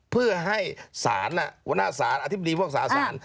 เพื่อให้ศาลวรรณภาษาศาลอธิบดีฟวงศาล